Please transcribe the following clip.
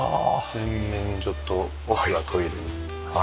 洗面所と奥がトイレに。